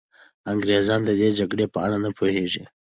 انګریزان د دې جګړې په اړه نه پوهېږي.